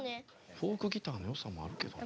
フォークギターのよさもあるけどな。